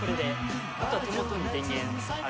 あとは手元に電源あるんで。